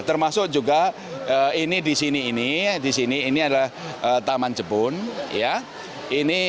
termasuk juga ini di sini timan jepun